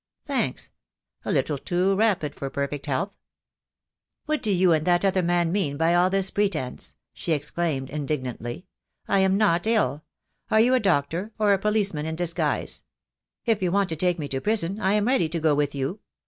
Thanks, a little too rapid for perfect health." "What do you and that other man mean by all tins pretence?" she exclaimed, indignantly. "I am not ill. Are you a doctor, or a policeman in disguise? If you want to take me to prison I am ready to go with you.